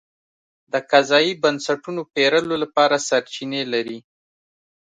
د قضایي بنسټونو پېرلو لپاره سرچینې لري.